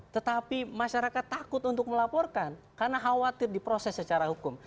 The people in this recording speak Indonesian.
tetapi masyarakat takut untuk melaporkan karena khawatir diproses secara hukum